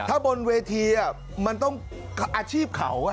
ถ้าบนเวทีมันต้องอาชีพเขา